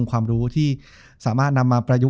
จบการโรงแรมจบการโรงแรม